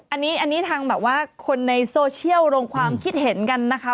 อันนี้ทางแบบว่าคนในโซเชียลลงความคิดเห็นกันนะคะ